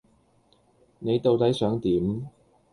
你到底想點？